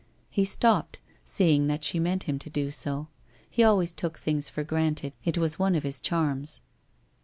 He stopped, seeing that she meant him to do so. He always took things for granted; it was one of his charms.